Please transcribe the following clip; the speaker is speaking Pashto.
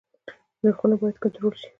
نرخونه باید کنټرول شي